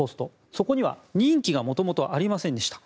そこには任期が元々ありませんでした。